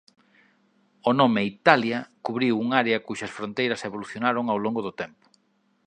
O nome "Italia" cubriu un área cuxas fronteiras evolucionaron ao longo do tempo.